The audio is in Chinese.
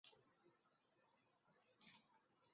每个棱都是九个正四面体的公共棱。